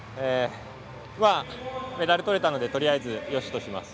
メダルとれたのでとりあえずよしとします。